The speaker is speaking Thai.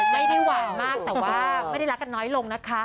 ไม่ได้หวานมากแต่ว่าไม่ได้รักกันน้อยลงนะคะ